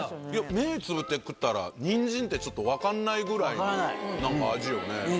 目つぶって食ったらにんじんってちょっと分かんないぐらいの味よね。